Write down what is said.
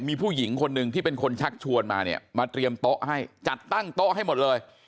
มีผู้หญิงคนหนึ่งที่เป็นคนชักชวนมาเนี่ยมาเตรียมโต๊ะให้จัดตั้งโต๊ะให้หมดเลย